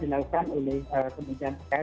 dilakukan oleh kebijakan